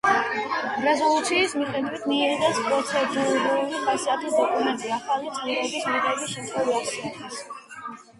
რეზოლუციის მიხედვით მიიღეს პროცედურული ხასიათის დოკუმენტი ახალი წევრების მიღების შემთხვევისათვის.